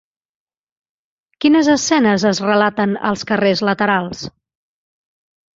Quines escenes es relaten als carrers laterals?